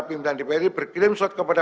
pimpinan dpr ri berklaim surat kepada